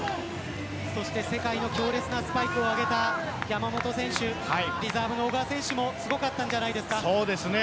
そして、世界の強烈なスパイクを上げた山本選手、リザーブの小川選手もすごかったんじゃないですかね。